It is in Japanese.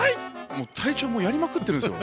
もう隊長もやりまくってるんですよ。